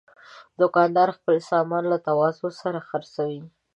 دوکاندار خپل سامانونه له تواضع سره خرڅوي.